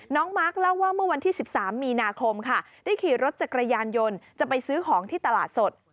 มาร์คเล่าว่าเมื่อวันที่๑๓มีนาคมค่ะได้ขี่รถจักรยานยนต์จะไปซื้อของที่ตลาดสด